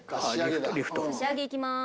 箸上げいきます。